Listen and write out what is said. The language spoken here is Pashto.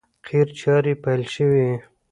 قیر چارې پیل شوې!